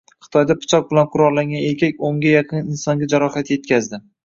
Xitoyda pichoq bilan qurollangan erkak o‘nga yaqin insonga jarohat yetkazdi